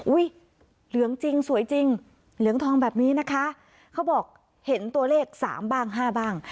เหลืองจริงสวยจริงเหลืองทองแบบนี้นะคะเขาบอกเห็นตัวเลขสามบ้างห้าบ้าง